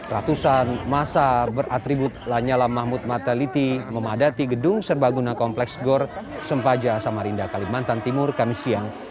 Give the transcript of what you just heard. ratusan masa beratribut lanyala mahmud mataliti memadati gedung serbaguna kompleks gor sempaja samarinda kalimantan timur kami siang